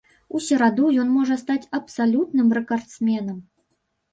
У сераду ён можа стаць абсалютным рэкардсменам.